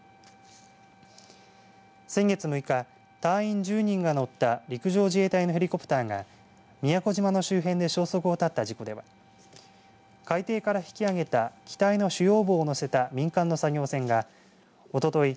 先月６日隊員１０人が乗った陸上自衛隊のヘリコプターが宮古島の周辺で消息を絶った事故では海底から引きあげた機体の主要部を載せた民間の作業船がおととい